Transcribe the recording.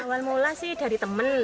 awal mula sih dari temen